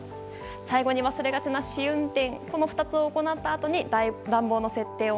最後に忘れがちな試運転。